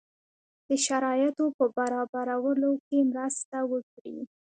د شرایطو په برابرولو کې مرسته وکړي.